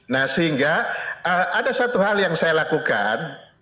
nah sehingga ada satu hal yang saya lakukan